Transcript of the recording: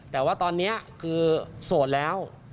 แต่ว่าตอนนี้คือโสดแล้ว